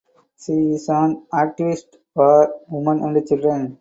She is an activist for women and children.